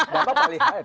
dampak paling ada